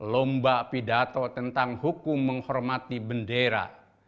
lomba pidato tentang hukum menghormati bendera